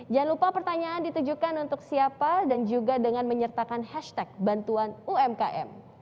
jangan lupa pertanyaan ditujukan untuk siapa dan juga dengan menyertakan hashtag bantuan umkm